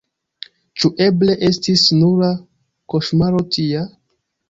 Ĉu eble estis nura koŝmaro tia?